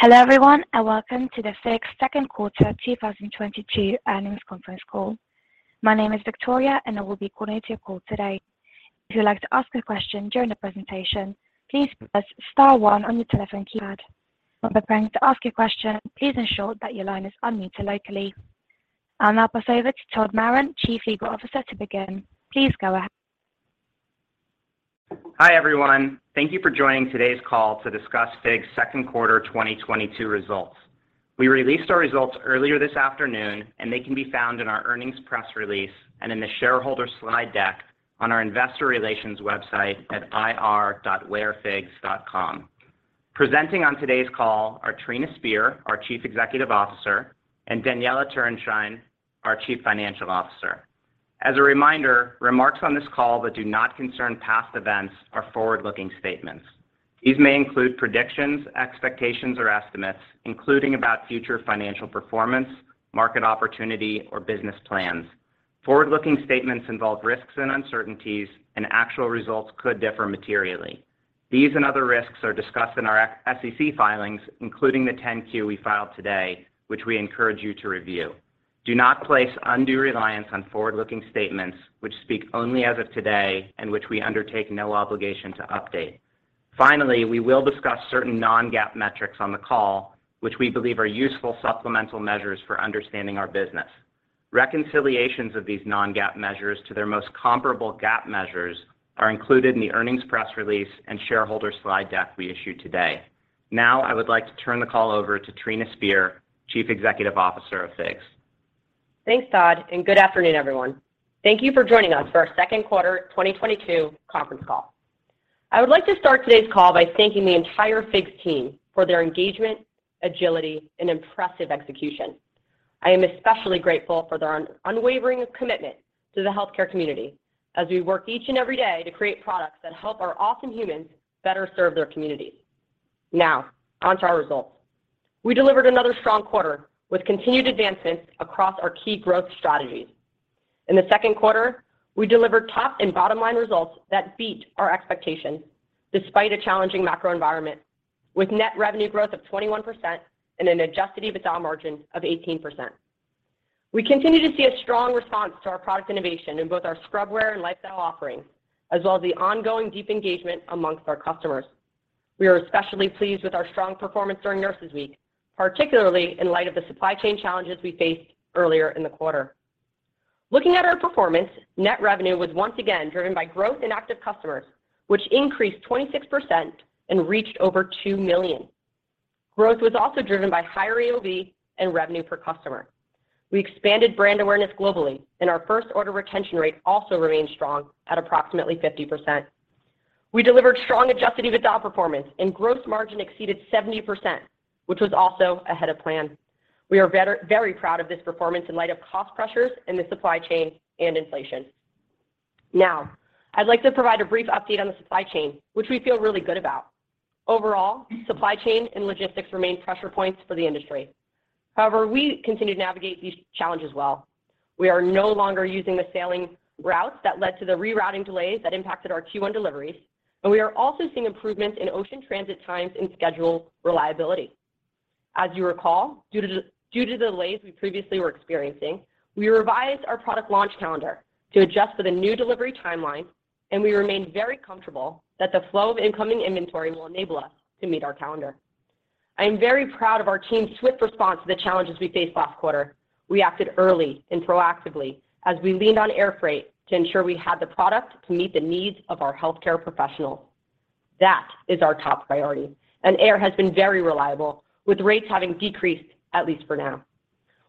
Hello everyone, and welcome to the FIGS Second Quarter 2022 Earnings Conference Call. My name is Victoria, and I will be coordinating your call today. If you would like to ask a question during the presentation, please press star one on your telephone keypad. When preparing to ask your question, please ensure that your line is unmuted locally. I'll now pass over to Todd Maron, Chief Legal Officer, to begin. Please go ahead. Hi, everyone. Thank you for joining today's call to discuss FIGS' second quarter 2022 results. We released our results earlier this afternoon, and they can be found in our earnings press release and in the shareholder slide deck on our investor relations website at ir.wearfigs.com. Presenting on today's call are Trina Spear, our Chief Executive Officer, and Daniella Turenshine, our Chief Financial Officer. As a reminder, remarks on this call that do not concern past events are forward-looking statements. These may include predictions, expectations, or estimates, including about future financial performance, market opportunity, or business plans. Forward-looking statements involve risks and uncertainties and actual results could differ materially. These and other risks are discussed in our SEC filings, including the 10-Q we filed today, which we encourage you to review. Do not place undue reliance on forward-looking statements which speak only as of today and which we undertake no obligation to update. Finally, we will discuss certain non-GAAP metrics on the call, which we believe are useful supplemental measures for understanding our business. Reconciliations of these non-GAAP measures to their most comparable GAAP measures are included in the earnings press release and shareholder slide deck we issued today. Now I would like to turn the call over to Trina Spear, Chief Executive Officer of FIGS. Thanks, Todd, and good afternoon, everyone. Thank you for joining us for our second quarter 2022 conference call. I would like to start today's call by thanking the entire FIGS team for their engagement, agility, and impressive execution. I am especially grateful for their unwavering commitment to the healthcare community as we work each and every day to create products that help our awesome humans better serve their communities. Now, on to our results. We delivered another strong quarter with continued advancements across our key growth strategies. In the second quarter, we delivered top and bottom line results that beat our expectations despite a challenging macro environment with net revenue growth of 21% and an Adjusted EBITDA margin of 18%. We continue to see a strong response to our product innovation in both our scrub wear and lifestyle offerings, as well as the ongoing deep engagement among our customers. We are especially pleased with our strong performance during Nurses Week, particularly in light of the supply chain challenges we faced earlier in the quarter. Looking at our performance, net revenue was once again driven by growth in active customers, which increased 26% and reached over 2 million. Growth was also driven by higher AOV and revenue per customer. We expanded brand awareness globally and our first order retention rate also remained strong at approximately 50%. We delivered strong Adjusted EBITDA performance and gross margin exceeded 70%, which was also ahead of plan. We are very, very proud of this performance in light of cost pressures in the supply chain and inflation. Now, I'd like to provide a brief update on the supply chain, which we feel really good about. Overall, supply chain and logistics remain pressure points for the industry. However, we continue to navigate these challenges well. We are no longer using the sailing routes that led to the rerouting delays that impacted our Q1 deliveries, and we are also seeing improvements in ocean transit times and schedule reliability. As you recall, due to delays we previously were experiencing, we revised our product launch calendar to adjust for the new delivery timeline, and we remain very comfortable that the flow of incoming inventory will enable us to meet our calendar. I am very proud of our team's swift response to the challenges we faced last quarter. We acted early and proactively as we leaned on air freight to ensure we had the product to meet the needs of our healthcare professionals. That is our top priority, and air has been very reliable with rates having decreased, at least for now.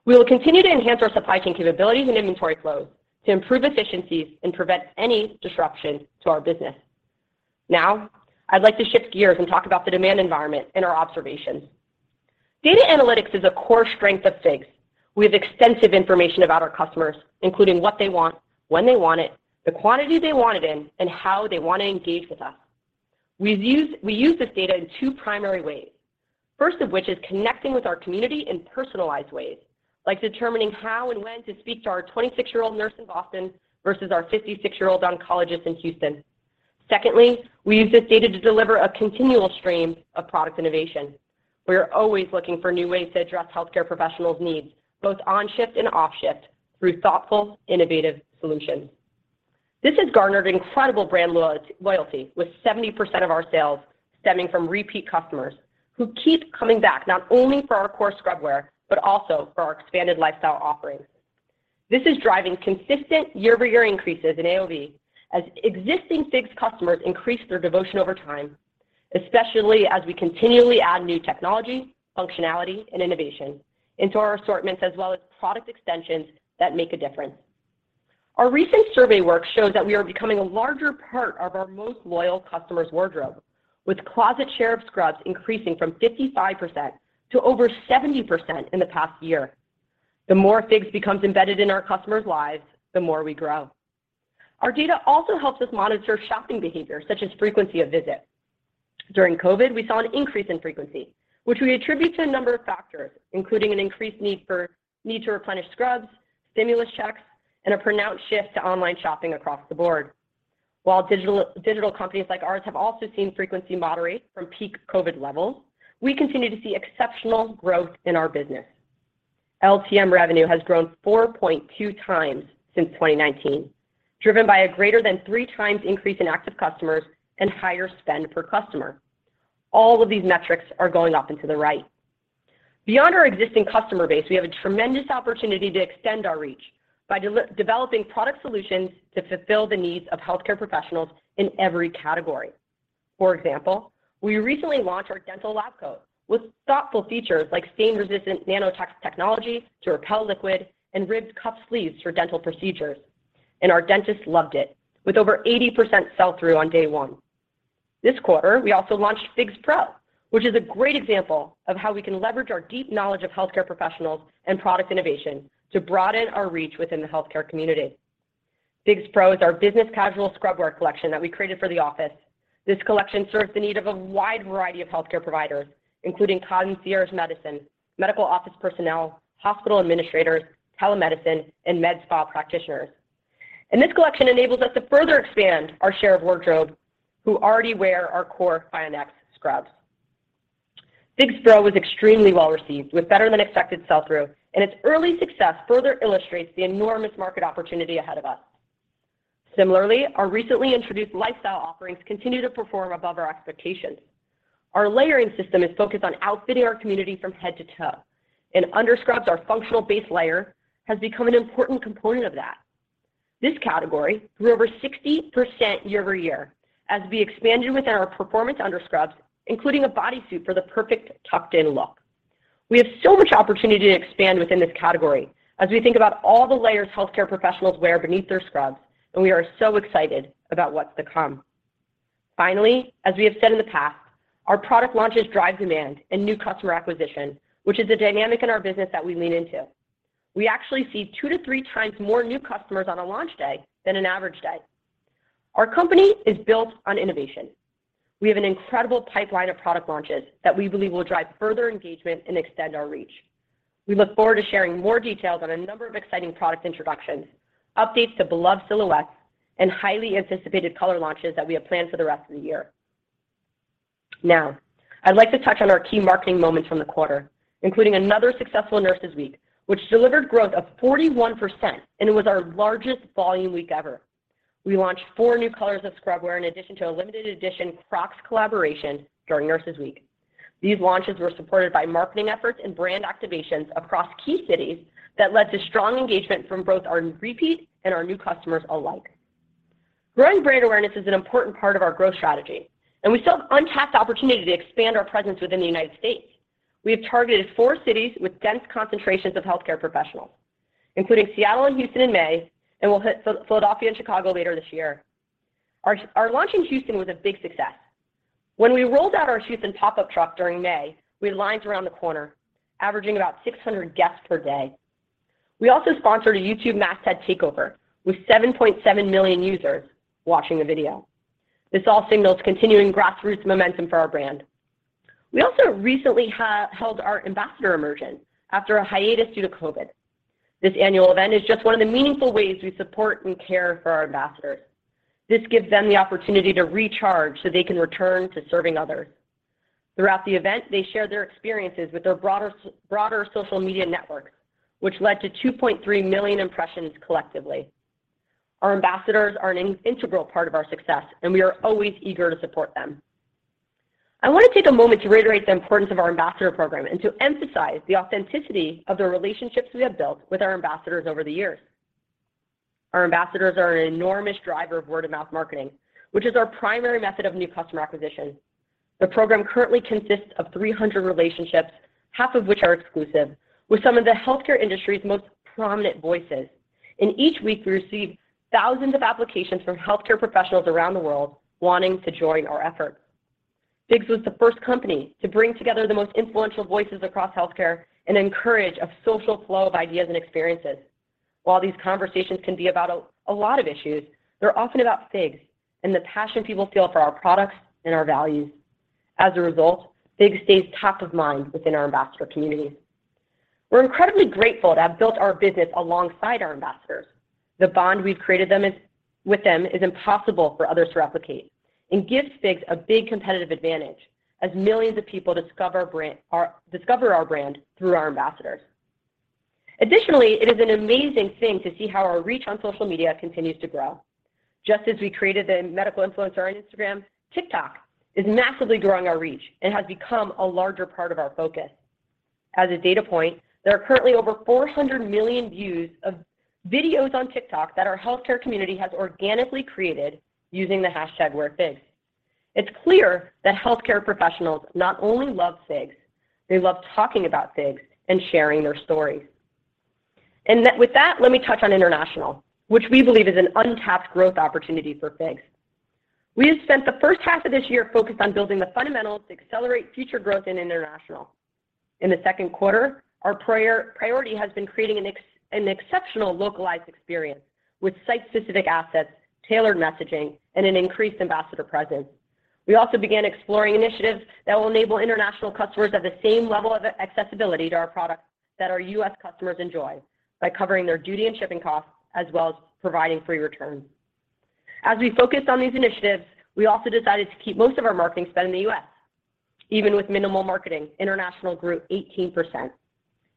We will continue to enhance our supply chain capabilities and inventory flows to improve efficiencies and prevent any disruption to our business. Now, I'd like to shift gears and talk about the demand environment and our observations. Data analytics is a core strength of FIGS. We have extensive information about our customers, including what they want, when they want it, the quantity they want it in, and how they want to engage with us. We use this data in two primary ways. First of which is connecting with our community in personalized ways, like determining how and when to speak to our 26-year-old nurse in Boston versus our 56-year-old oncologist in Houston. Secondly, we use this data to deliver a continual stream of product innovation. We are always looking for new ways to address healthcare professionals' needs, both on shift and off shift, through thoughtful, innovative solutions. This has garnered incredible brand loyalty, with 70% of our sales stemming from repeat customers who keep coming back not only for our core scrub wear, but also for our expanded lifestyle offerings. This is driving consistent year-over-year increases in AOV as existing FIGS customers increase their devotion over time, especially as we continually add new technology, functionality, and innovation into our assortments, as well as product extensions that make a difference. Our recent survey work shows that we are becoming a larger part of our most loyal customers' wardrobe, with closet share of scrubs increasing from 55% to over 70% in the past year. The more FIGS becomes embedded in our customers' lives, the more we grow. Our data also helps us monitor shopping behavior, such as frequency of visit. During COVID, we saw an increase in frequency, which we attribute to a number of factors, including an increased need to replenish scrubs, stimulus checks, and a pronounced shift to online shopping across the board. While digital companies like ours have also seen frequency moderate from peak COVID levels, we continue to see exceptional growth in our business. LTM revenue has grown 4.2x since 2019, driven by a greater than 3x increase in active customers and higher spend per customer. All of these metrics are going up and to the right. Beyond our existing customer base, we have a tremendous opportunity to extend our reach by developing product solutions to fulfill the needs of healthcare professionals in every category. For example, we recently launched our dental lab coat with thoughtful features like stain-resistant Nanotex technology to repel liquid and ribbed cuff sleeves for dental procedures. Our dentists loved it, with over 80% sell-through on day one. This quarter, we also launched FIGS Pro, which is a great example of how we can leverage our deep knowledge of healthcare professionals and product innovation to broaden our reach within the healthcare community. FIGS Pro is our business casual scrub wear collection that we created for the office. This collection serves the need of a wide variety of healthcare providers, including concierge medicine, medical office personnel, hospital administrators, telemedicine, and med spa practitioners. This collection enables us to further expand our share of wardrobe who already wear our core FIONx scrubs. FIGS Pro was extremely well received with better than expected sell-through, and its early success further illustrates the enormous market opportunity ahead of us. Similarly, our recently introduced lifestyle offerings continue to perform above our expectations. Our layering system is focused on outfitting our community from head to toe, and underscrubs, our functional base layer has become an important component of that. This category grew over 60% year-over-year as we expanded within our performance underscrubs, including a bodysuit for the perfect tucked-in look. We have so much opportunity to expand within this category as we think about all the layers healthcare professionals wear beneath their scrubs, and we are so excited about what's to come. Finally, as we have said in the past, our product launches drive demand and new customer acquisition, which is a dynamic in our business that we lean into. We actually see 2x to 3x times more new customers on a launch day than an average day. Our company is built on innovation. We have an incredible pipeline of product launches that we believe will drive further engagement and extend our reach. We look forward to sharing more details on a number of exciting product introductions, updates to beloved silhouettes, and highly anticipated color launches that we have planned for the rest of the year. Now, I'd like to touch on our key marketing moments from the quarter, including another successful Nurses Week, which delivered growth of 41%, and it was our largest volume week ever. We launched four new colors of scrub wear in addition to a limited edition Crocs collaboration during Nurses Week. These launches were supported by marketing efforts and brand activations across key cities that led to strong engagement from both our repeat and our new customers alike. Growing brand awareness is an important part of our growth strategy, and we still have untapped opportunity to expand our presence within the United States. We have targeted four cities with dense concentrations of healthcare professionals, including Seattle and Houston in May, and we'll hit Philadelphia and Chicago later this year. Our launch in Houston was a big success. When we rolled out our Houston pop-up truck during May, we had lines around the corner, averaging about 600 guests per day. We also sponsored a YouTube Masthead Takeover with 7.7 million users watching the video. This all signals continuing grassroots momentum for our brand. We also recently held our Ambassador Immersion after a hiatus due to COVID. This annual event is just one of the meaningful ways we support and care for our ambassadors. This gives them the opportunity to recharge so they can return to serving others. Throughout the event, they shared their experiences with their broader social media network, which led to 2.3 million impressions collectively. Our ambassadors are an integral part of our success, and we are always eager to support them. I want to take a moment to reiterate the importance of our ambassador program and to emphasize the authenticity of the relationships we have built with our ambassadors over the years. Our ambassadors are an enormous driver of word-of-mouth marketing, which is our primary method of new customer acquisition. The program currently consists of 300 relationships, half of which are exclusive, with some of the healthcare industry's most prominent voices. Each week, we receive thousands of applications from healthcare professionals around the world wanting to join our effort. FIGS was the first company to bring together the most influential voices across healthcare and encourage a social flow of ideas and experiences. While these conversations can be about a lot of issues, they're often about FIGS and the passion people feel for our products and our values. As a result, FIGS stays top of mind within our ambassador community. We're incredibly grateful to have built our business alongside our ambassadors. The bond we've created with them is impossible for others to replicate and gives FIGS a big competitive advantage as millions of people discover our brand through our ambassadors. Additionally, it is an amazing thing to see how our reach on social media continues to grow. Just as we created the medical influencer on Instagram, TikTok is massively growing our reach and has become a larger part of our focus. As a data point, there are currently over 400 million views of videos on TikTok that our healthcare community has organically created using the hashtag WearFigs. It's clear that healthcare professionals not only love FIGS, they love talking about FIGS and sharing their stories. With that, let me touch on international, which we believe is an untapped growth opportunity for FIGS. We have spent the first half of this year focused on building the fundamentals to accelerate future growth in international. In the second quarter, our priority has been creating an exceptional localized experience with site-specific assets, tailored messaging, and an increased ambassador presence. We also began exploring initiatives that will enable international customers to have the same level of accessibility to our products that our U.S. customers enjoy by covering their duty and shipping costs, as well as providing free returns. As we focused on these initiatives, we also decided to keep most of our marketing spend in the U.S.. Even with minimal marketing, international grew 18%.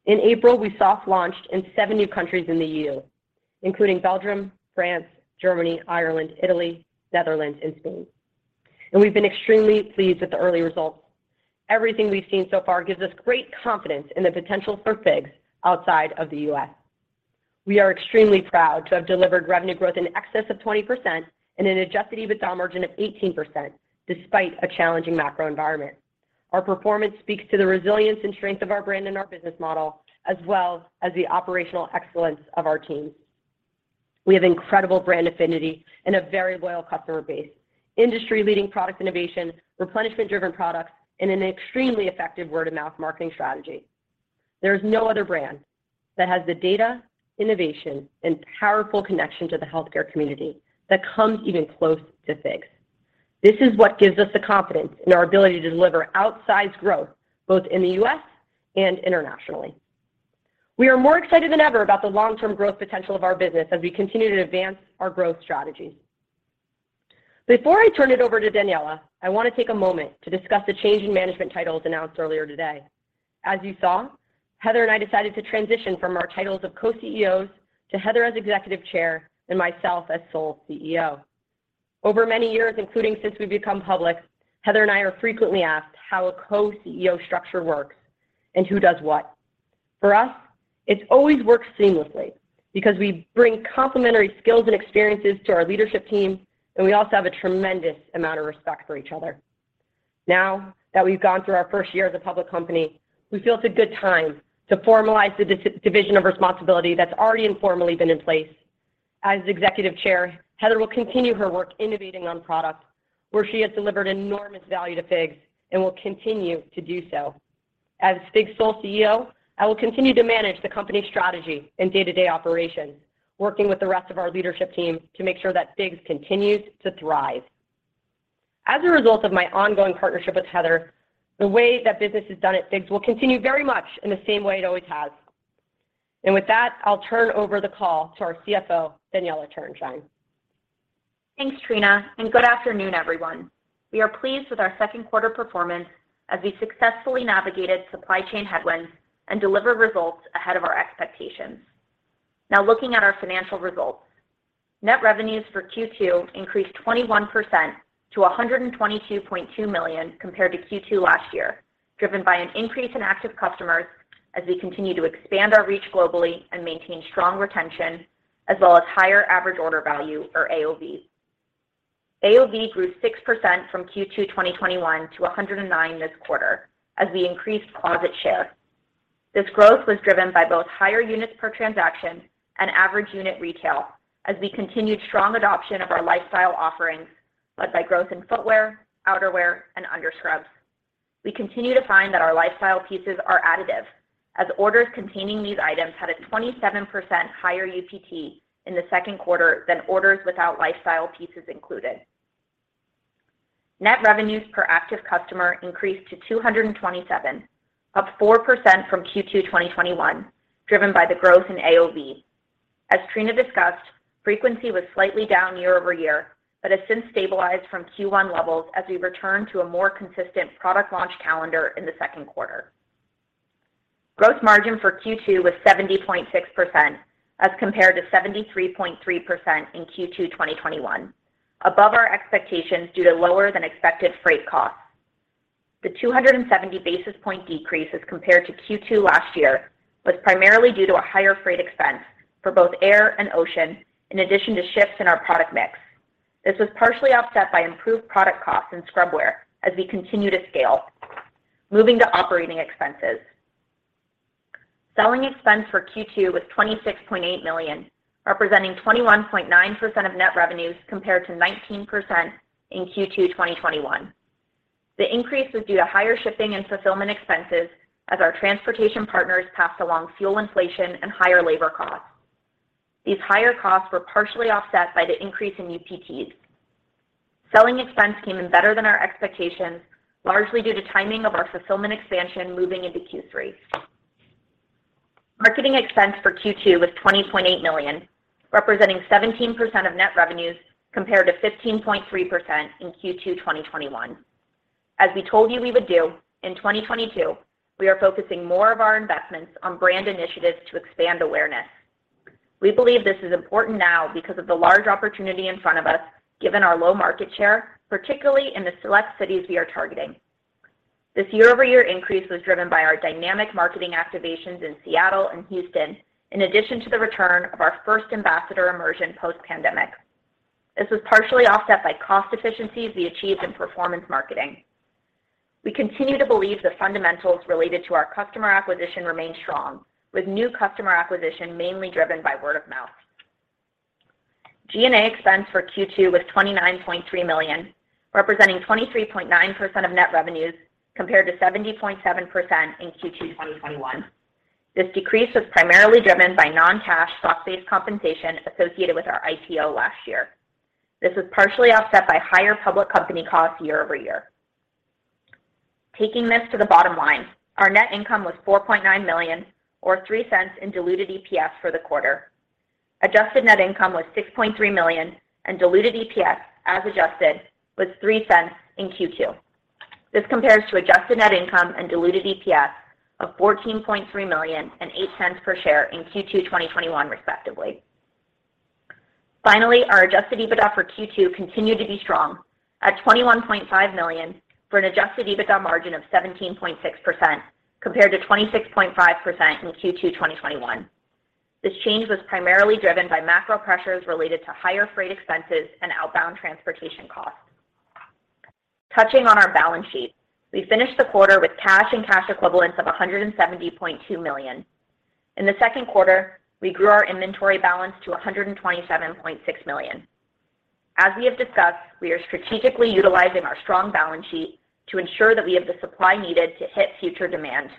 In April, we soft launched in seven new countries in the E.U., including Belgium, France, Germany, Ireland, Italy, Netherlands, and Spain, and we've been extremely pleased with the early results. Everything we've seen so far gives us great confidence in the potential for FIGS outside of the U.S. We are extremely proud to have delivered revenue growth in excess of 20% and an Adjusted EBITDA margin of 18%, despite a challenging macro environment. Our performance speaks to the resilience and strength of our brand and our business model, as well as the operational excellence of our teams. We have incredible brand affinity and a very loyal customer base, industry-leading product innovation, replenishment-driven products, and an extremely effective word-of-mouth marketing strategy. There is no other brand that has the data, innovation, and powerful connection to the healthcare community that comes even close to FIGS. This is what gives us the confidence in our ability to deliver outsized growth, both in the U.S. and internationally. We are more excited than ever about the long-term growth potential of our business as we continue to advance our growth strategies. Before I turn it over to Daniella, I want to take a moment to discuss the change in management titles announced earlier today. As you saw, Heather and I decided to transition from our titles of co-CEOs to Heather as Executive Chair and myself as Sole CEO. Over many years, including since we've become public, Heather and I are frequently asked how a co-CEO structure works and who does what. For us, it's always worked seamlessly because we bring complementary skills and experiences to our leadership team, and we also have a tremendous amount of respect for each other. Now that we've gone through our first year as a public company, we feel it's a good time to formalize the division of responsibility that's already informally been in place. As executive chair, Heather will continue her work innovating on product, where she has delivered enormous value to FIGS and will continue to do so. As FIGS' sole CEO, I will continue to manage the company's strategy and day-to-day operations, working with the rest of our leadership team to make sure that FIGS continues to thrive. As a result of my ongoing partnership with Heather, the way that business is done at FIGS will continue very much in the same way it always has. With that, I'll turn over the call to our CFO, Daniella Turenshine. Thanks, Trina, and good afternoon, everyone. We are pleased with our second quarter performance as we successfully navigated supply chain headwinds and delivered results ahead of our expectations. Now looking at our financial results. Net revenues for Q2 increased 21% to $122.2 million compared to Q2 last year, driven by an increase in active customers as we continue to expand our reach globally and maintain strong retention, as well as higher average order value or AOV. AOV grew 6% from Q2 2021 to $109 this quarter as we increased closet share. This growth was driven by both higher units per transaction and average unit retail as we continued strong adoption of our lifestyle offerings, led by growth in footwear, outerwear, and underscrubs. We continue to find that our lifestyle pieces are additive as orders containing these items had a 27% higher UPT in the second quarter than orders without lifestyle pieces included. Net revenues per active customer increased to $227, up 4% from Q2 2021, driven by the growth in AOV. As Trina discussed, frequency was slightly down year-over-year, but has since stabilized from Q1 levels as we return to a more consistent product launch calendar in the second quarter. Gross margin for Q2 was 70.6% as compared to 73.3% in Q2 2021, above our expectations due to lower than expected freight costs. The 270 basis point decrease as compared to Q2 last year was primarily due to a higher freight expense for both air and ocean, in addition to shifts in our product mix. This was partially offset by improved product costs in scrub wear as we continue to scale. Moving to operating expenses. Selling expense for Q2 was $26.8 million, representing 21.9% of net revenues compared to 19% in Q2 2021. The increase was due to higher shipping and fulfillment expenses as our transportation partners passed along fuel inflation and higher labor costs. These higher costs were partially offset by the increase in UPTs. Selling expense came in better than our expectations, largely due to timing of our fulfillment expansion moving into Q3. Marketing expense for Q2 was $20.8 million, representing 17% of net revenues compared to 15.3% in Q2 2021. As we told you we would do, in 2022, we are focusing more of our investments on brand initiatives to expand awareness. We believe this is important now because of the large opportunity in front of us, given our low market share, particularly in the select cities we are targeting. This year-over-year increase was driven by our dynamic marketing activations in Seattle and Houston, in addition to the return of our first Ambassador Immersion post-pandemic. This was partially offset by cost efficiencies we achieved in performance marketing. We continue to believe the fundamentals related to our customer acquisition remain strong, with new customer acquisition mainly driven by word of mouth. G&A expense for Q2 was $29.3 million, representing 23.9% of net revenues compared to 70.7% in Q2 2021. This decrease was primarily driven by non-cash stock-based compensation associated with our IPO last year. This was partially offset by higher public company costs year-over-year. Taking this to the bottom line, our net income was $4.9 million or $0.03 in diluted EPS for the quarter. Adjusted net income was $6.3 million, and diluted EPS, as adjusted, was $0.03 in Q2. This compares to adjusted net income and diluted EPS of $14.3 million and $0.08 per share in Q2 2021, respectively. Finally, our adjusted EBITDA for Q2 continued to be strong at $21.5 million, for an adjusted EBITDA margin of 17.6%, compared to 26.5% in Q2 2021. This change was primarily driven by macro pressures related to higher freight expenses and outbound transportation costs. Touching on our balance sheet, we finished the quarter with cash and cash equivalents of $170.2 million. In the second quarter, we grew our inventory balance to $127.6 million. As we have discussed, we are strategically utilizing our strong balance sheet to ensure that we have the supply needed to hit future demand.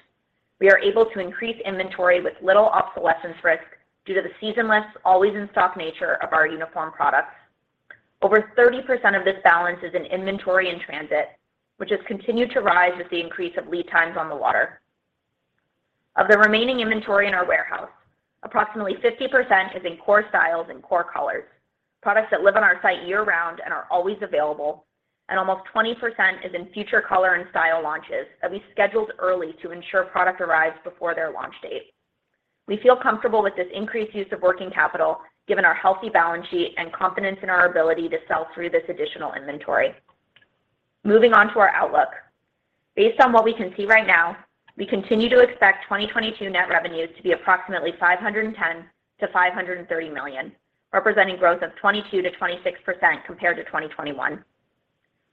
We are able to increase inventory with little obsolescence risk due to the seasonless, always in stock nature of our uniform products. Over 30% of this balance is in inventory in transit, which has continued to rise with the increase of lead times on the water. Of the remaining inventory in our warehouse, approximately 50% is in core styles and core colors, products that live on our site year-round and are always available, and almost 20% is in future color and style launches that we scheduled early to ensure product arrives before their launch date. We feel comfortable with this increased use of working capital given our healthy balance sheet and confidence in our ability to sell through this additional inventory. Moving on to our outlook. Based on what we can see right now, we continue to expect 2022 net revenues to be approximately $510 million-$530 million, representing growth of 22%-26% compared to 2021.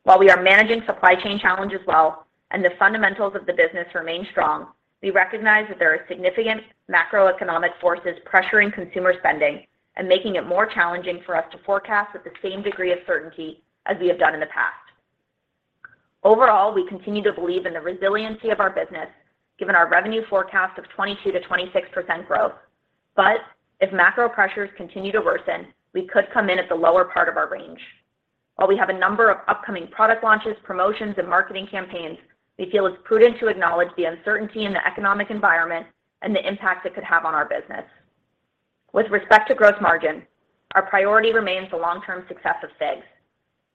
While we are managing supply chain challenges well and the fundamentals of the business remain strong, we recognize that there are significant macroeconomic forces pressuring consumer spending and making it more challenging for us to forecast with the same degree of certainty as we have done in the past. Overall, we continue to believe in the resiliency of our business given our revenue forecast of 22%-26% growth. If macro pressures continue to worsen, we could come in at the lower part of our range. While we have a number of upcoming product launches, promotions, and marketing campaigns, we feel it's prudent to acknowledge the uncertainty in the economic environment and the impact it could have on our business. With respect to gross margin, our priority remains the long-term success of FIGS.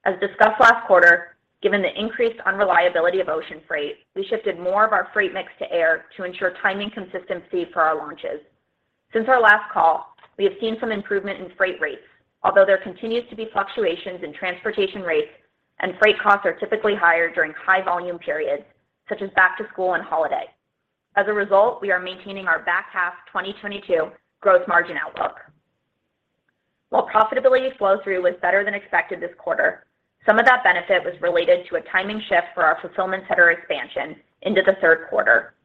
As discussed last quarter, given the increased unreliability of ocean freight, we shifted more of our freight mix to air to ensure timing consistency for our launches. Since our last call, we have seen some improvement in freight rates, although there continues to be fluctuations in transportation rates and freight costs are typically higher during high volume periods, such as back to school and holiday. As a result, we are maintaining our back half 2022 gross margin outlook. While profitability flow-through was better than expected this quarter, some of that benefit was related to a timing shift for our fulfillment center expansion into the third quarter.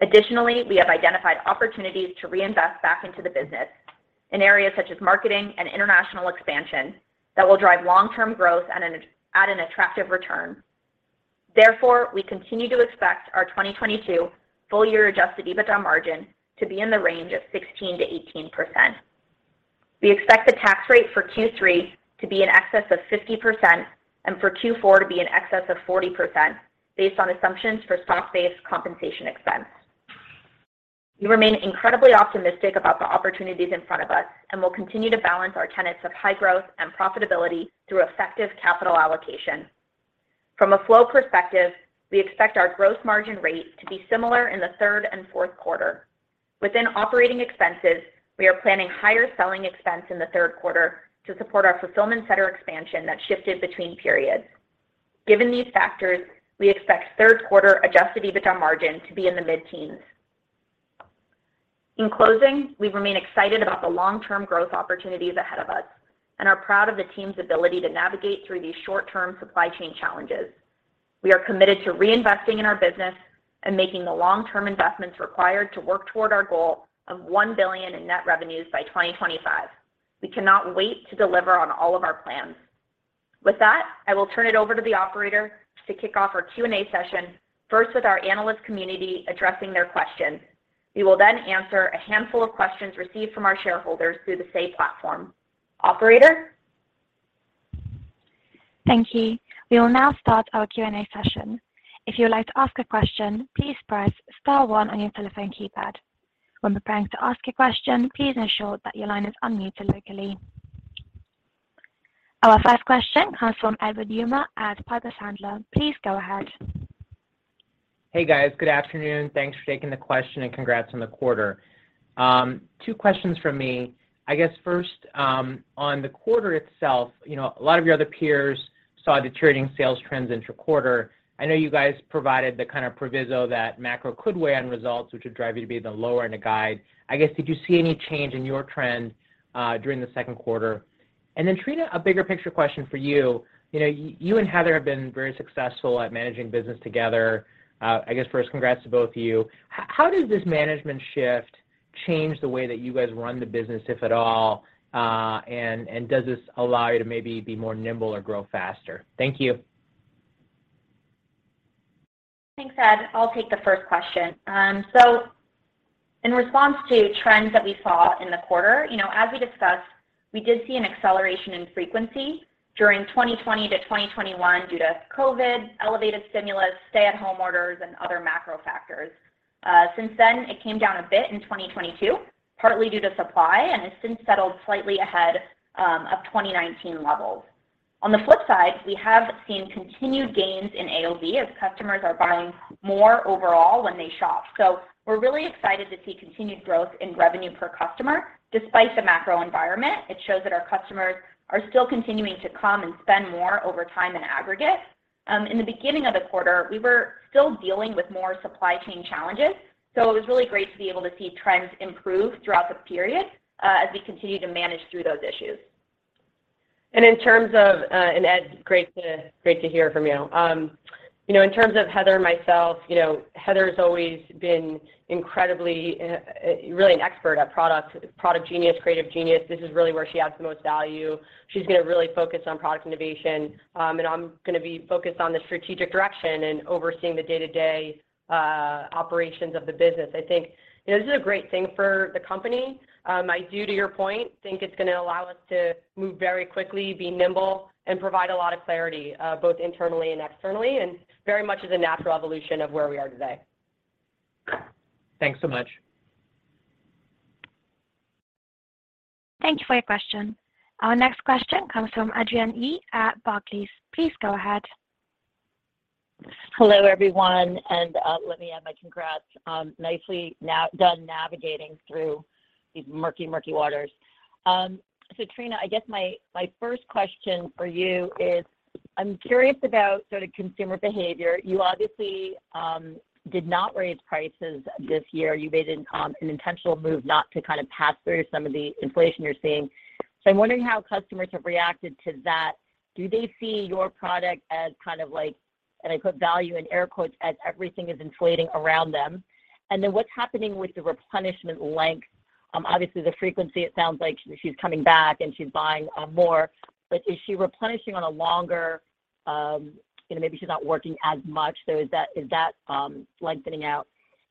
Additionally, we have identified opportunities to reinvest back into the business in areas such as marketing and international expansion that will drive long-term growth at an attractive return. Therefore, we continue to expect our 2022 full year Adjusted EBITDA margin to be in the range of 16%-18%. We expect the tax rate for Q3 to be in excess of 50% and for Q4 to be in excess of 40%, based on assumptions for stock-based compensation expense. We remain incredibly optimistic about the opportunities in front of us, and we'll continue to balance our tenets of high growth and profitability through effective capital allocation. From a flow perspective, we expect our gross margin rate to be similar in the third and fourth quarter. Within operating expenses, we are planning higher selling expense in the third quarter to support our fulfillment center expansion that shifted between periods. Given these factors, we expect third quarter Adjusted EBITDA margin to be in the mid-teens. In closing, we remain excited about the long-term growth opportunities ahead of us and are proud of the team's ability to navigate through these short-term supply chain challenges. We are committed to reinvesting in our business and making the long-term investments required to work toward our goal of $1 billion in net revenues by 2025. We cannot wait to deliver on all of our plans. With that, I will turn it over to the operator to kick off our Q and A session, first with our analyst community addressing their questions. We will then answer a handful of questions received from our shareholders through the SAY platform. Operator? Thank you. We will now start our Q and A session. If you would like to ask a question, please press star one on your telephone keypad. When preparing to ask a question, please ensure that your line is unmuted locally. Our first question comes from Edward Yruma at Piper Sandler. Please go ahead. Hey, guys. Good afternoon. Thanks for taking the question and congrats on the quarter. Two questions from me. I guess first, on the quarter itself, you know, a lot of your other peers saw deteriorating sales trends intraquarter. I know you guys provided the kind of proviso that macro could weigh on results, which would drive you to be the lower end of guide. I guess, did you see any change in your trend during the second quarter? And then, Trina, a bigger picture question for you. You know, you and Heather have been very successful at managing business together. I guess first congrats to both of you. How does this management shift change the way that you guys run the business, if at all, and does this allow you to maybe be more nimble or grow faster? Thank you. Thanks, Ed. I'll take the first question. In response to trends that we saw in the quarter, you know, as we discussed, we did see an acceleration in frequency during 2020 to 2021 due to COVID, elevated stimulus, stay-at-home orders, and other macro factors. Since then, it came down a bit in 2022, partly due to supply, and has since settled slightly ahead of 2019 levels. On the flip side, we have seen continued gains in AOV as customers are buying more overall when they shop. We're really excited to see continued growth in revenue per customer despite the macro environment. It shows that our customers are still continuing to come and spend more over time in aggregate. In the beginning of the quarter, we were still dealing with more supply chain challenges, so it was really great to be able to see trends improve throughout the period, as we continue to manage through those issues. Ed, great to hear from you. You know, in terms of Heather and myself, you know, Heather's always been incredibly, really an expert at product genius, creative genius. This is really where she adds the most value. She's gonna really focus on product innovation, and I'm gonna be focused on the strategic direction and overseeing the day-to-day operations of the business. I think, you know, this is a great thing for the company. I do, to your point, think it's gonna allow us to move very quickly, be nimble, and provide a lot of clarity, both internally and externally, and very much is a natural evolution of where we are today. Thanks so much. Thank you for your question. Our next question comes from Adrienne Yih at Barclays. Please go ahead. Hello, everyone, and let me add my congrats. Nicely done navigating through these murky waters. Trina, I guess my first question for you is I'm curious about sort of consumer behavior. You obviously did not raise prices this year. You made an intentional move not to kind of pass through some of the inflation you're seeing. I'm wondering how customers have reacted to that. Do they see your product as kind of like, and I put value in air quotes, as everything is inflating around them? What's happening with the replenishment length? Obviously the frequency, it sounds like she's coming back and she's buying more. Is she replenishing on a longer you know, maybe she's not working as much, so is that lengthening out?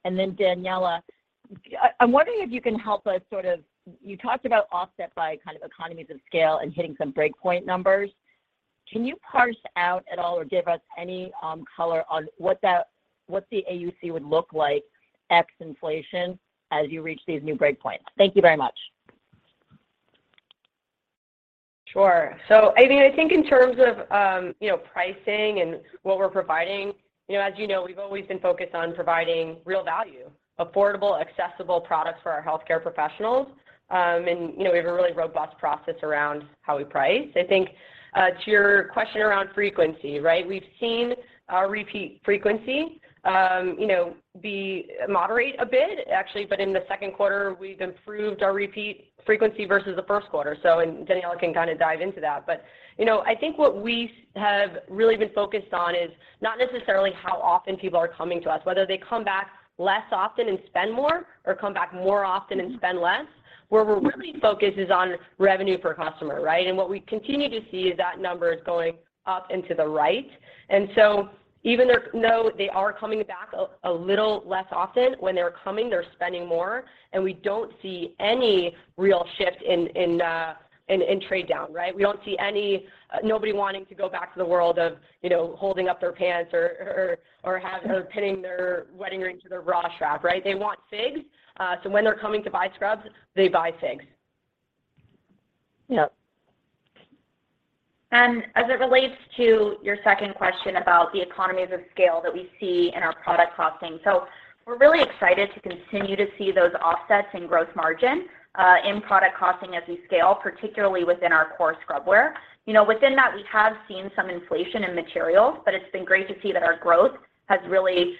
Daniella Turenshine, I'm wondering if you can help us sort of. You talked about offset by kind of economies of scale and hitting some breakpoint numbers. Can you parse out at all or give us any color on what the AUC would look like ex inflation as you reach these new breakpoints? Thank you very much. Sure. I mean, I think in terms of, you know, pricing and what we're providing, you know, as you know, we've always been focused on providing real value, affordable, accessible products for our healthcare professionals. You know, we have a really robust process around how we price. I think, to your question around frequency, right? We've seen our repeat frequency, you know, be moderate a bit, actually, but in the second quarter we've improved our repeat frequency versus the first quarter. Daniella can kinda dive into that. You know, I think what we have really been focused on is not necessarily how often people are coming to us, whether they come back less often and spend more or come back more often and spend less. Where we're really focused is on revenue per customer, right? What we continue to see is that number is going up and to the right. Even though they are coming back a little less often, when they're coming, they're spending more, and we don't see any real shift in trade down, right? We don't see anybody wanting to go back to the world of, you know, holding up their pants or pinning their wedding ring to their bra strap, right? They want FIGS. When they're coming to buy scrubs, they buy FIGS. Yeah. As it relates to your second question about the economies of scale that we see in our product costing, we're really excited to continue to see those offsets in growth margin in product costing as we scale, particularly within our core scrub wear. You know, within that, we have seen some inflation in materials, but it's been great to see that our growth has really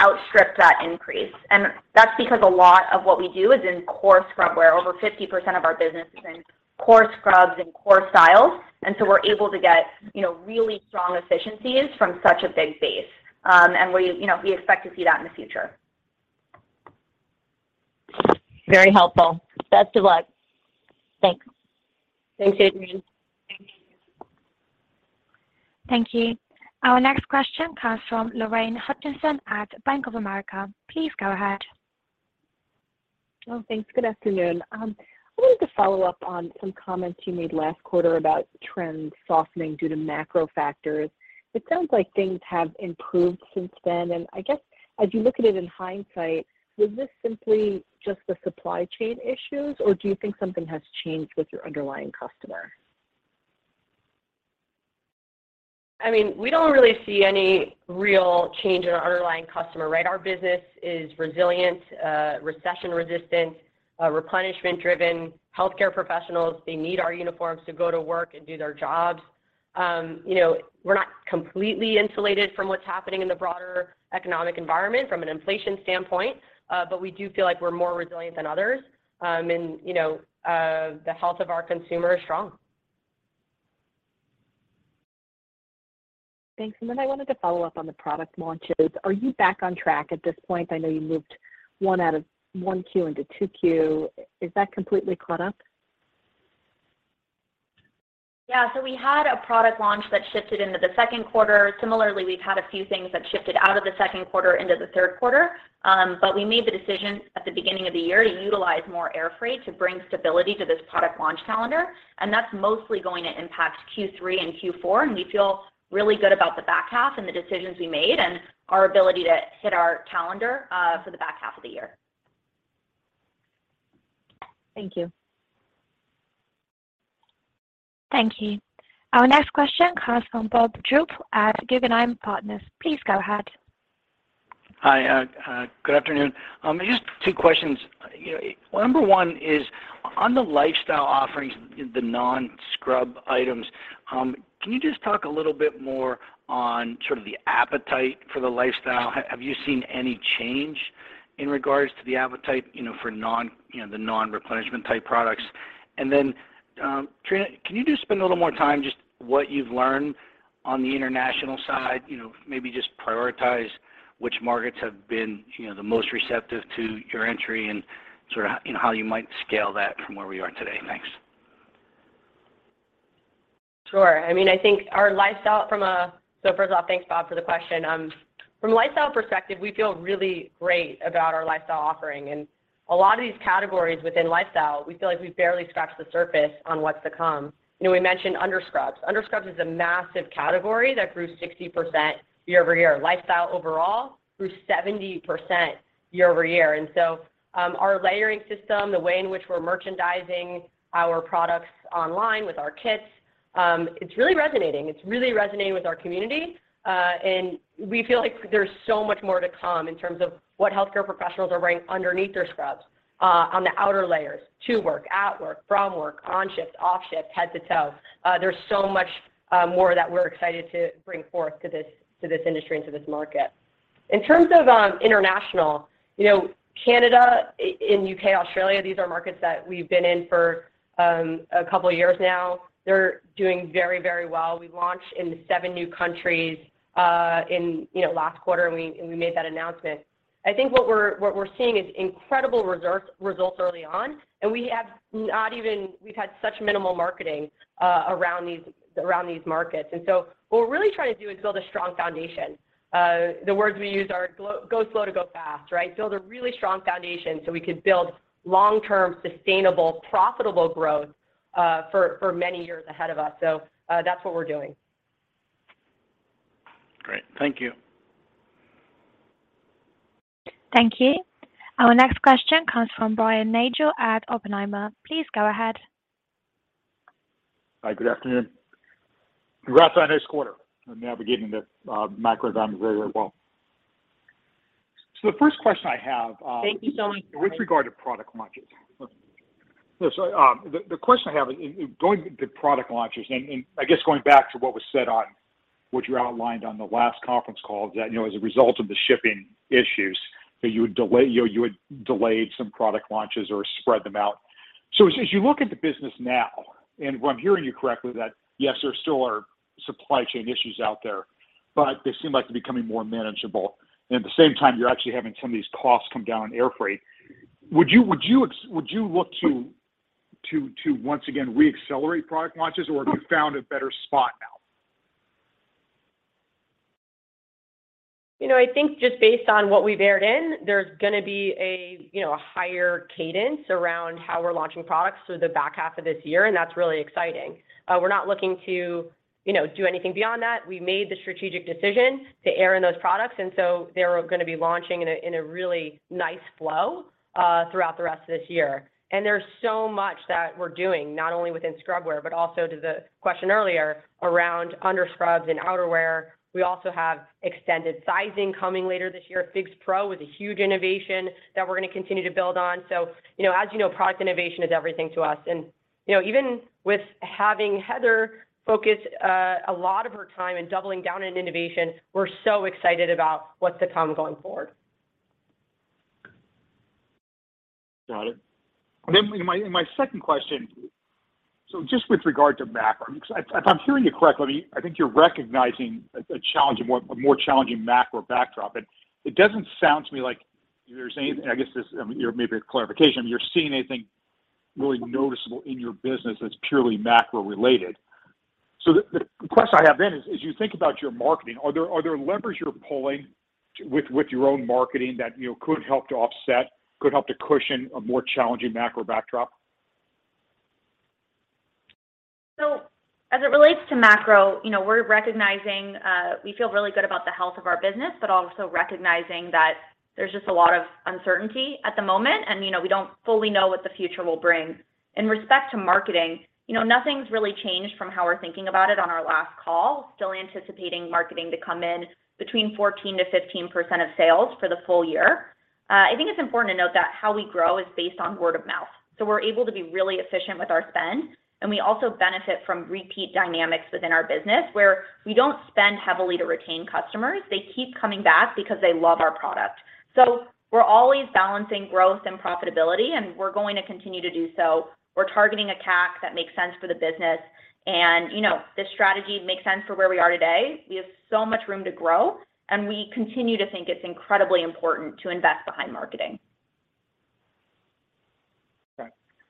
outstripped that increase. That's because a lot of what we do is in core scrub wear. Over 50% of our business is in core scrubs and core styles, and so we're able to get, you know, really strong efficiencies from such a big base. We, you know, we expect to see that in the future. Very helpful. Best of luck. Thanks. Thanks, Adrienne. Thank you. Thank you. Our next question comes from Lorraine Hutchinson at Bank of America. Please go ahead. Oh, thanks. Good afternoon. I wanted to follow up on some comments you made last quarter about trends softening due to macro factors. It sounds like things have improved since then. I guess as you look at it in hindsight, was this simply just the supply chain issues, or do you think something has changed with your underlying customer? I mean, we don't really see any real change in our underlying customer, right? Our business is resilient, recession resistant, replenishment driven. Healthcare professionals, they need our uniforms to go to work and do their jobs. You know, we're not completely insulated from what's happening in the broader economic environment from an inflation standpoint, but we do feel like we're more resilient than others. You know, the health of our consumer is strong. Thanks. I wanted to follow up on the product launches. Are you back on track at this point? I know you moved one out of Q1 into Q2. Is that completely caught up? Yeah. We had a product launch that shifted into the second quarter. Similarly, we've had a few things that shifted out of the second quarter into the third quarter. We made the decision at the beginning of the year to utilize more air freight to bring stability to this product launch calendar, and that's mostly going to impact Q3 and Q4. We feel really good about the back half and the decisions we made and our ability to hit our calendar for the back half of the year. Thank you. Thank you. Our next question comes from Bob Drbul at Guggenheim Partners. Please go ahead. Hi, good afternoon. Just two questions. Number one is, on the lifestyle offerings, the non-scrub items, can you just talk a little bit more on sort of the appetite for the lifestyle? Have you seen any change in regards to the appetite, you know, for non, you know, the non-replenishment type products? Trina, can you just spend a little more time just what you've learned on the international side? You know, maybe just prioritize which markets have been, you know, the most receptive to your entry and sort of, you know, how you might scale that from where we are today. Thanks. Sure. I mean, first of all, thanks, Bob, for the question. From a lifestyle perspective, we feel really great about our lifestyle offering. A lot of these categories within lifestyle, we feel like we've barely scratched the surface on what's to come. You know, we mentioned under scrubs. Under scrubs is a massive category that grew 60% year-over-year. Lifestyle overall grew 70% year-over-year. Our layering system, the way in which we're merchandising our products online with our kits, it's really resonating with our community, and we feel like there's so much more to come in terms of what healthcare professionals are wearing underneath their scrubs, on the outer layers, to work, at work, from work, on shift, off shift, head to toe. There's so much more that we're excited to bring forth to this industry and to this market. In terms of international, you know, Canada and U.K., Australia, these are markets that we've been in for a couple of years now. They're doing very, very well. We launched in seven new countries in you know last quarter, and we made that announcement. I think what we're seeing is incredible results early on, and we've had such minimal marketing around these markets. What we're really trying to do is build a strong foundation. The words we use are go slow to go fast, right? Build a really strong foundation so we could build long-term, sustainable, profitable growth for many years ahead of us. That's what we're doing. Great. Thank you. Thank you. Our next question comes from Brian Nagel at Oppenheimer. Please go ahead. Hi, good afternoon. Congrats on this quarter and navigating the macro environment very, very well. The first question I have, Thank you so much. ...with regard to product launches. The question I have is going to the product launches and I guess going back to what was said on what you outlined on the last conference call, that you know, as a result of the shipping issues that you would delay some product launches or spread them out. As you look at the business now, and if I'm hearing you correctly, that yes, there still are supply chain issues out there, but they seem like they're becoming more manageable, and at the same time, you're actually having some of these costs come down on airfreight. Would you look to once again reaccelerate product launches, or have you found a better spot now? You know, I think just based on what we've heard in, there's gonna be a, you know, a higher cadence around how we're launching products through the back half of this year, and that's really exciting. We're not looking to, you know, do anything beyond that. We made the strategic decision to err on those products, and so they're gonna be launching in a really nice flow throughout the rest of this year. There's so much that we're doing, not only within scrub wear, but also to the question earlier around underscrubs and outerwear. We also have extended sizing coming later this year at FIGS Pro with a huge innovation that we're gonna continue to build on. You know, as you know, product innovation is everything to us. You know, even with having Heather focus a lot of her time on doubling down on innovation, we're so excited about what's to come going forward. Got it. Then my second question, just with regard to macro, because if I'm hearing you correctly, I think you're recognizing a more challenging macro backdrop. It doesn't sound to me like there's any. I guess this, you know, maybe a clarification, you're seeing anything really noticeable in your business that's purely macro related. The question I have then is, as you think about your marketing, are there levers you're pulling with your own marketing that, you know, could help to offset, could help to cushion a more challenging macro backdrop? As it relates to macro, you know, we're recognizing, we feel really good about the health of our business, but also recognizing that there's just a lot of uncertainty at the moment. You know, we don't fully know what the future will bring. In respect to marketing, you know, nothing's really changed from how we're thinking about it on our last call. Still anticipating marketing to come in between 14%-15% of sales for the full year. I think it's important to note that how we grow is based on word of mouth. We're able to be really efficient with our spend, and we also benefit from repeat dynamics within our business, where we don't spend heavily to retain customers. They keep coming back because they love our product. We're always balancing growth and profitability, and we're going to continue to do so. We're targeting a CAC that makes sense for the business. You know, this strategy makes sense for where we are today. We have so much room to grow, and we continue to think it's incredibly important to invest behind marketing.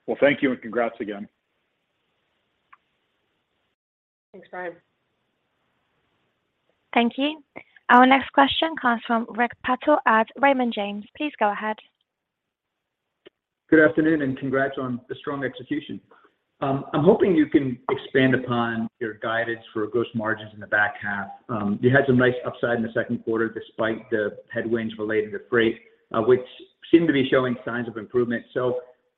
Well, thank you, and congrats again. Thanks, Brian. Thank you. Our next question comes from Rick Patel at Raymond James. Please go ahead. Good afternoon, and congrats on the strong execution. I'm hoping you can expand upon your guidance for gross margins in the back half. You had some nice upside in the second quarter despite the headwinds related to freight, which seem to be showing signs of improvement.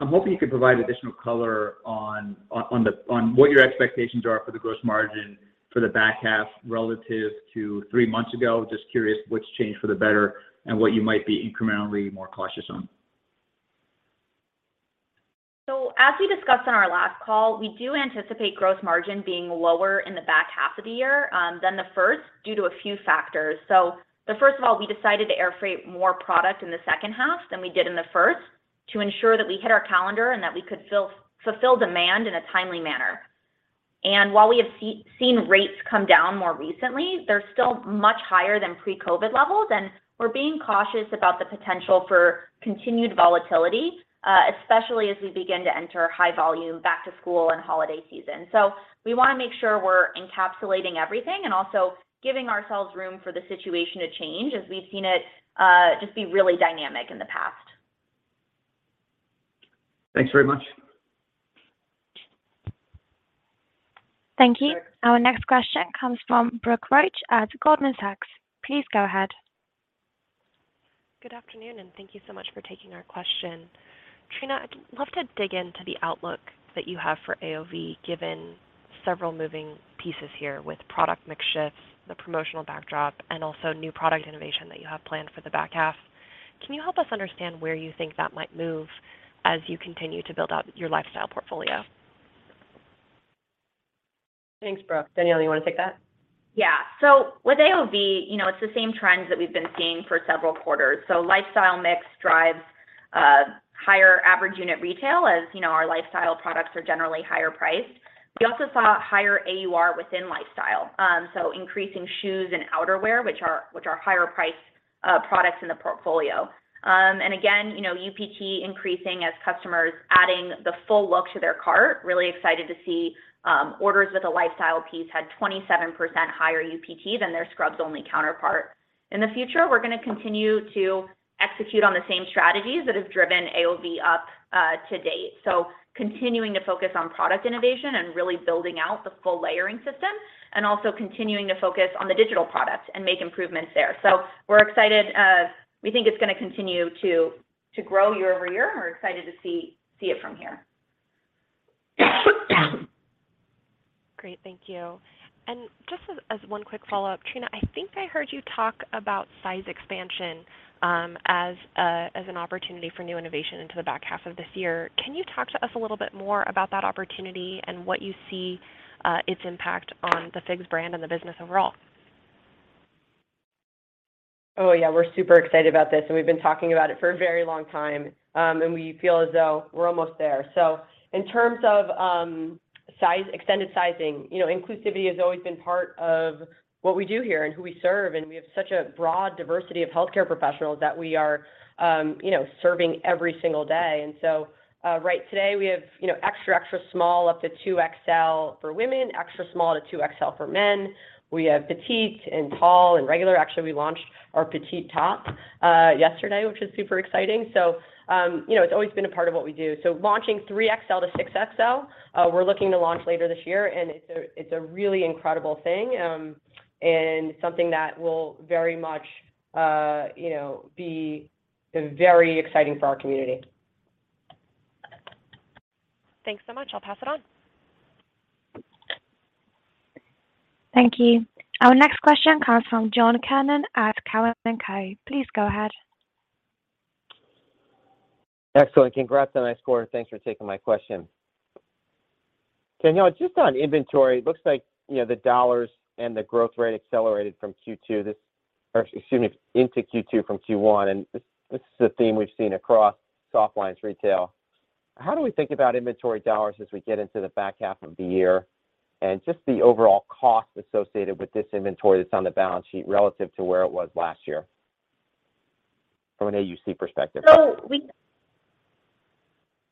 I'm hoping you could provide additional color on what your expectations are for the gross margin for the back half relative to three months ago. Just curious what's changed for the better and what you might be incrementally more cautious on. As we discussed on our last call, we do anticipate gross margin being lower in the back half of the year than the first due to a few factors. The first of all, we decided to air freight more product in the second half than we did in the first to ensure that we hit our calendar and that we could fulfill demand in a timely manner. While we have seen rates come down more recently, they're still much higher than pre-COVID levels, and we're being cautious about the potential for continued volatility, especially as we begin to enter high volume back to school and holiday season. We wanna make sure we're encapsulating everything and also giving ourselves room for the situation to change as we've seen it just be really dynamic in the past. Thanks very much. Thank you. Our next question comes from Brooke Roach at Goldman Sachs. Please go ahead. Good afternoon, and thank you so much for taking our question. Trina, I'd love to dig into the outlook that you have for AOV, given several moving pieces here with product mix shifts, the promotional backdrop, and also new product innovation that you have planned for the back half. Can you help us understand where you think that might move as you continue to build out your lifestyle portfolio? Thanks, Brooke. Daniella, you wanna take that? Yeah. With AOV, you know, it's the same trends that we've been seeing for several quarters. Lifestyle mix drives higher average unit retail as, you know, our lifestyle products are generally higher priced. We also saw higher AUR within lifestyle, so increasing shoes and outerwear, which are higher priced products in the portfolio. And again, you know, UPT increasing as customers adding the full look to their cart. Really excited to see orders with a lifestyle piece had 27% higher UPT than their scrubs only counterpart. In the future, we're gonna continue to execute on the same strategies that have driven AOV up to date. Continuing to focus on product innovation and really building out the full layering system and also continuing to focus on the digital product and make improvements there. We're excited. We think it's gonna continue to grow year-over-year, and we're excited to see it from here. Great. Thank you. Just one quick follow-up, Trina, I think I heard you talk about size expansion, as an opportunity for new innovation into the back half of this year. Can you talk to us a little bit more about that opportunity and what you see, its impact on the FIGS brand and the business overall? Oh, yeah, we're super excited about this, and we've been talking about it for a very long time. We feel as though we're almost there. In terms of size, extended sizing, you know, inclusivity has always been part of what we do here and who we serve, and we have such a broad diversity of healthcare professionals that we are, you know, serving every single day. Right today we have, you know, extra extra small up to two XL for women, extra small to two XL for men. We have petite and tall and regular. Actually, we launched our petite top yesterday, which is super exciting. You know, it's always been a part of what we do. Launching 3XL-6XL, we're looking to launch later this year, and it's a really incredible thing, and something that will very much, you know, be very exciting for our community. Thanks so much. I'll pass it on. Thank you. Our next question comes from John Kernan at Cowen and Company. Please go ahead. Excellent. Congrats on the nice quarter, and thanks for taking my question. Daniella, just on inventory, it looks like, you know, the dollars and the growth rate accelerated into Q2 from Q1, and this is a theme we've seen across softlines retail. How do we think about inventory dollars as we get into the back half of the year and just the overall cost associated with this inventory that's on the balance sheet relative to where it was last year from an AUC perspective?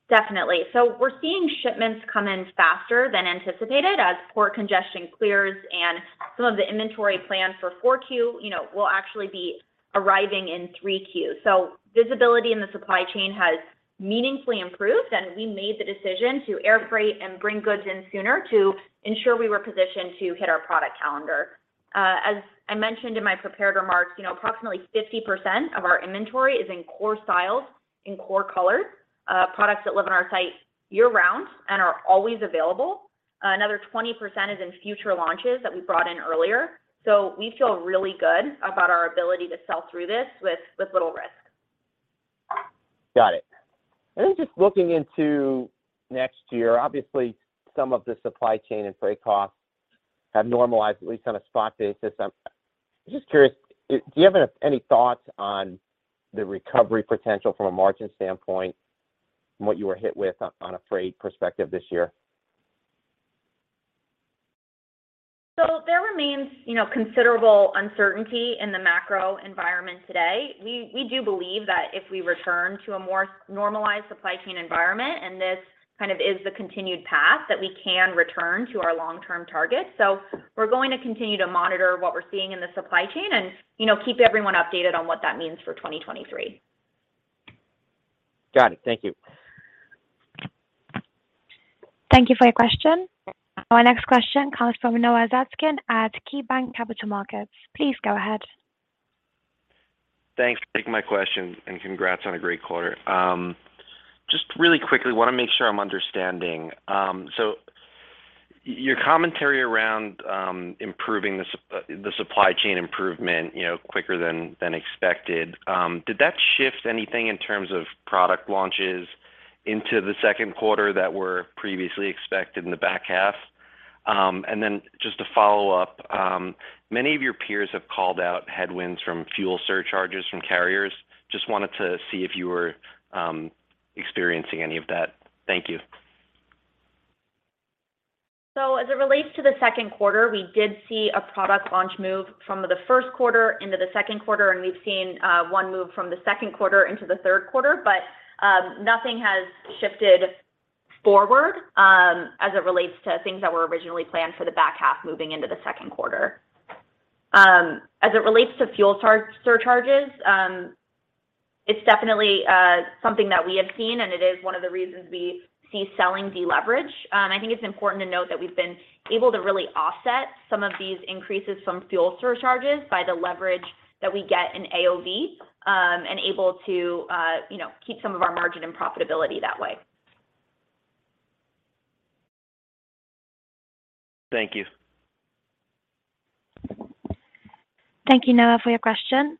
Definitely. We're seeing shipments come in faster than anticipated as port congestion clears and some of the inventory planned for 4Q, you know, will actually be arriving in Q3. Visibility in the supply chain has meaningfully improved, and we made the decision to air freight and bring goods in sooner to ensure we were positioned to hit our product calendar. As I mentioned in my prepared remarks, you know, approximately 50% of our inventory is in core styles, in core colors, products that live on our site year-round and are always available. Another 20% is in future launches that we brought in earlier. We feel really good about our ability to sell through this with little risk. Got it. Just looking into next year, obviously some of the supply chain and freight costs have normalized, at least on a spot basis. I'm just curious, do you have any thoughts on the recovery potential from a margin standpoint and what you were hit with on a freight perspective this year? I mean, you know, considerable uncertainty in the macro environment today. We do believe that if we return to a more normalized supply chain environment, and this kind of is the continued path, that we can return to our long-term targets. We're going to continue to monitor what we're seeing in the supply chain and, you know, keep everyone updated on what that means for 2023. Got it. Thank you. Thank you for your question. Our next question comes from Noah Zatzkin at KeyBanc Capital Markets. Please go ahead. Thanks for taking my question, and congrats on a great quarter. Just really quickly, wanna make sure I'm understanding. So your commentary around improving the supply chain improvement, you know, quicker than expected, did that shift anything in terms of product launches into the second quarter that were previously expected in the back half? And then just to follow up, many of your peers have called out headwinds from fuel surcharges from carriers. Just wanted to see if you were experiencing any of that. Thank you. As it relates to the second quarter, we did see a product launch move from the first quarter into the second quarter, and we've seen one move from the second quarter into the third quarter. Nothing has shifted forward as it relates to things that were originally planned for the back half moving into the second quarter. As it relates to fuel surcharges, it's definitely something that we have seen, and it is one of the reasons we see selling deleverage. I think it's important to note that we've been able to really offset some of these increases from fuel surcharges by the leverage that we get in AOV, and able to you know keep some of our margin and profitability that way. Thank you. Thank you, Noah, for your question.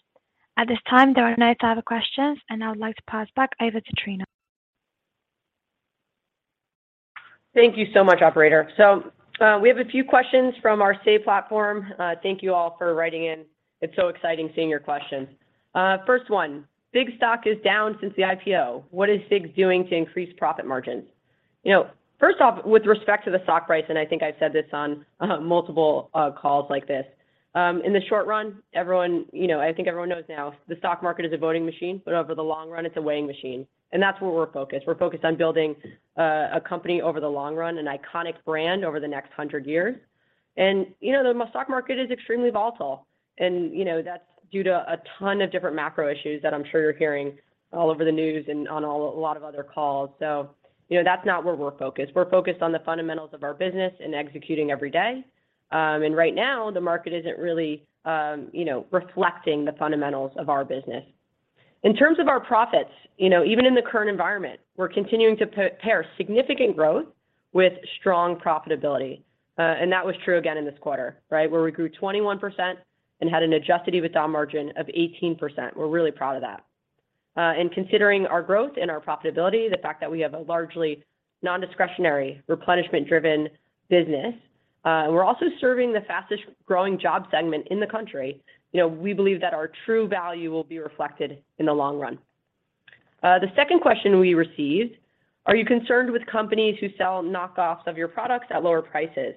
At this time, there are no other questions, and I would like to pass back over to Trina. Thank you so much, operator. We have a few questions from our SAY platform. Thank you all for writing in. It's so exciting seeing your questions. First one, FIGS's stock is down since the IPO. What is FIGS doing to increase profit margins? You know, first off, with respect to the stock price, and I think I've said this on multiple calls like this, in the short run, everyone, you know I think everyone knows now, the stock market is a voting machine, but over the long run it's a weighing machine. That's where we're focused. We're focused on building a company over the long run, an iconic brand over the next 100 years. You know, the stock market is extremely volatile, and, you know, that's due to a ton of different macro issues that I'm sure you're hearing all over the news and on all, a lot of other calls. That's not where we're focused. We're focused on the fundamentals of our business and executing every day. Right now, the market isn't really, you know, reflecting the fundamentals of our business. In terms of our profits, you know, even in the current environment, we're continuing to pair significant growth with strong profitability. That was true again in this quarter, right? Where we grew 21% and had an Adjusted EBITDA margin of 18%. We're really proud of that. Considering our growth and our profitability, the fact that we have a largely non-discretionary replenishment driven business, and we're also serving the fastest growing job segment in the country, you know, we believe that our true value will be reflected in the long run. The second question we received, are you concerned with companies who sell knockoffs of your products at lower prices?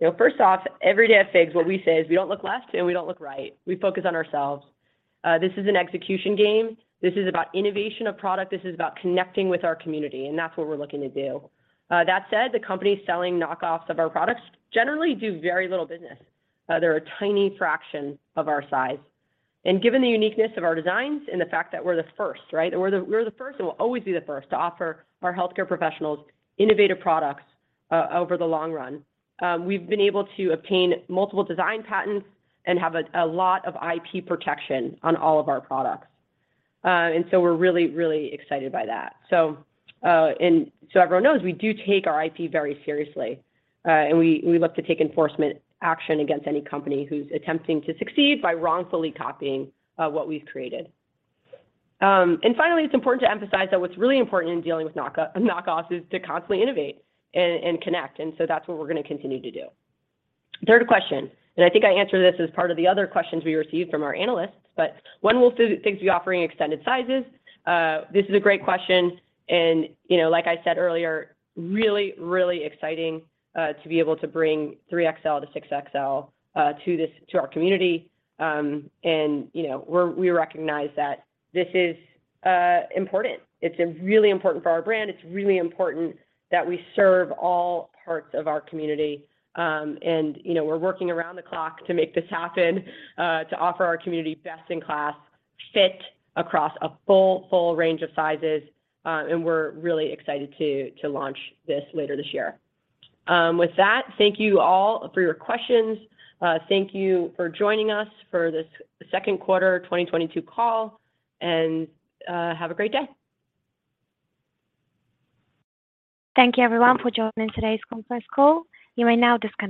You know, first off, every day at FIGS what we say is, "We don't look left, and we don't look right. We focus on ourselves." This is an execution game. This is about innovation of product. This is about connecting with our community, and that's what we're looking to do. That said, the companies selling knockoffs of our products generally do very little business. They're a tiny fraction of our size. Given the uniqueness of our designs and the fact that we're the first, right? We're the first and will always be the first to offer our healthcare professionals innovative products over the long run. We've been able to obtain multiple design patents and have a lot of IP protection on all of our products. We're really excited by that. Everyone knows we do take our IP very seriously. We look to take enforcement action against any company who's attempting to succeed by wrongfully copying what we've created. Finally, it's important to emphasize that what's really important in dealing with knockoffs is to constantly innovate and connect, and so that's what we're gonna continue to do. Third question, and I think I answered this as part of the other questions we received from our analysts, but when will FIGS be offering extended sizes? This is a great question. You know, like I said earlier, really, really exciting to be able to bring 3XL-6XL to this, to our community. You know, we recognize that this is important. It's really important for our brand. It's really important that we serve all parts of our community. You know, we're working around the clock to make this happen to offer our community best in class fit across a full range of sizes. We're really excited to launch this later this year. With that, thank you all for your questions. Thank you for joining us for this second quarter of 2022 call, and have a great day. Thank you everyone for joining today's conference call.